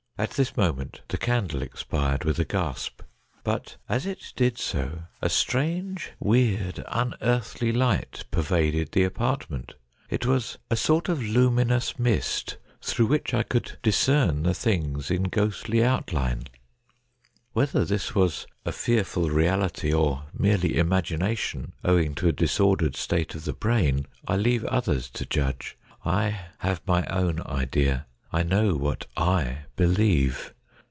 At this moment the candle expired with a gasp, but as it did so, a strange, weird, unearthly light per vaded the apartment. It was a sort of luminous mist through which I could discern the things in ghostly outline. Whether this was a fearful reality, or merely imagination owing to a disordered state of the brain, I leave others to judge. I have my own idea. I know what I believe.